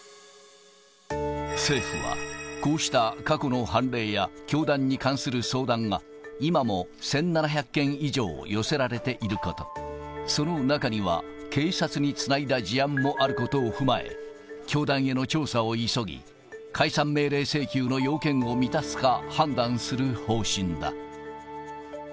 政府は、こうした過去の判例や、教団に関する相談が、今も１７００件以上寄せられていること、その中には警察につないだ事案もあることを踏まえ、教団への調査を急ぎ、解散命令請求の要件を満たすか判断する方針だ。